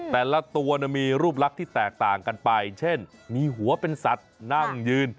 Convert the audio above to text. แต่ละตัวมีรูปลักษณ์ที่แตกต่างกันไปเช่นมีหัวเป็นสัตว์นั่งยืน